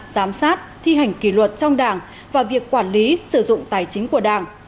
giám sát thi hành kỷ luật trong đảng và việc quản lý sử dụng tài chính của đảng